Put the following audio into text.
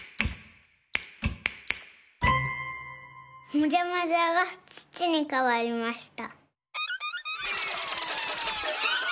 もじゃもじゃがつちにかわりました。